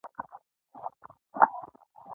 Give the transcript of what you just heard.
میرمن زینب څوک وه باید ځواب شي.